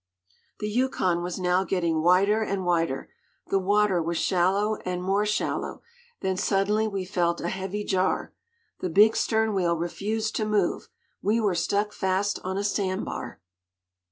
The Yukon was now getting wider and wider, the water was shallow and more shallow, then suddenly we felt a heavy jar. The big stern wheel refused to move, we were stuck fast on a sand bar!